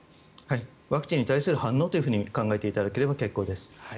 ワクチンに対する反応と考えていただければ結構です。